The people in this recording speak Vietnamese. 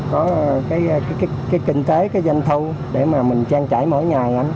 cái kinh tế cái doanh thu để mà mình trang trải mỗi ngày